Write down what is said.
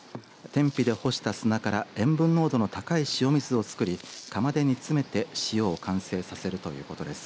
天日で干した砂から塩分濃度の高い塩水を作り釜で煮詰めて塩を完成させるということです。